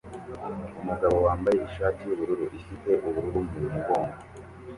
Umugabo wambaye ishati yubururu ifite ubururu mu mugongo